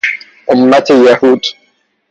امت یهود